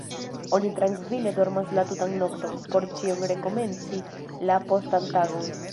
Oni trankvile dormas la tutan nokton, por ĉion rekomenci la postan tagon.